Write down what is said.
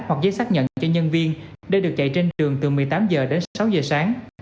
hoặc giấy xác nhận cho nhân viên để được chạy trên trường từ một mươi tám h đến sáu giờ sáng